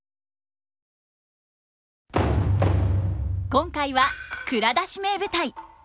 今回は「蔵出し！名舞台」。